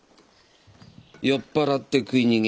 酔っ払って食い逃げ。